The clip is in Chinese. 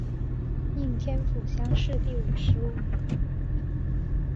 应天府乡试第五十五名。